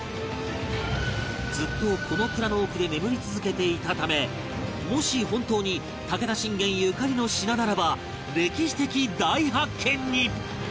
ずっとこの蔵の奥で眠り続けていたためもし本当に武田信玄ゆかりの品ならば歴史的大発見に！